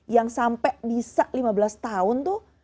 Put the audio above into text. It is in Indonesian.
yang sampai bisa lima belas tahun tuh